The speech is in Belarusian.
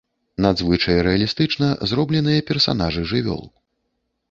Надзвычай рэалістычна зробленыя персанажы жывёл.